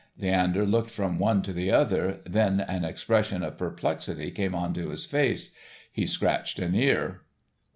Leander looked from one to the other. Then an expression of perplexity came into his face. He scratched an ear.